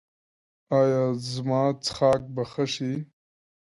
ایا زما څښاک به ښه شي؟